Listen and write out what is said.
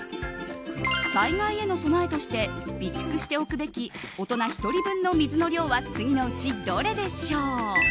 災害への備えとして備蓄しておくべき大人１人分の水の量は次のうちどれでしょう？